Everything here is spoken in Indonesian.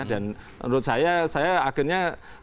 dan menurut saya saya akhirnya